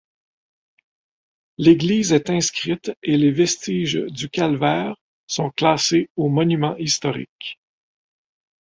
L'église est inscrite et les vestiges du calvaire sont classés aux monuments historiques.